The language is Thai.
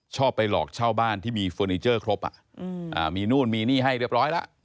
ชอบไปหลอกเช่าบ้านที่มีเฟอร์นิเจอร์ครบมีนู่นมีนี่ให้เรียบร้อยแล้ว